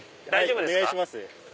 お願いします。